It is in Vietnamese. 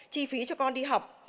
chi phí cho con đi học